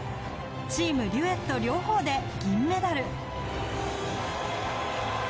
チーム、デュエット両方で銀メダル。